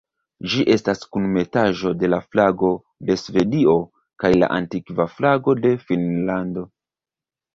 Ĝi estas kunmetaĵo de la flago de Svedio kaj la antikva flago de Finnlando.